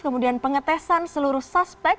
kemudian pengetesan seluruh suspek